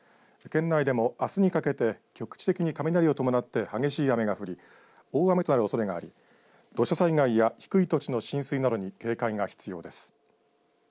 県内でも、あすにかけて局地的に雷を伴って激しい雨が降り大雨となるおそれがあり土砂災害や低い土地の浸水などに警戒が必要です。